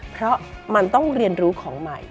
เพราะมันต้องเรียนรู้ของใหม่